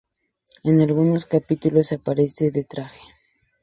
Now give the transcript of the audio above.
En algunos capítulos, aparece de traje.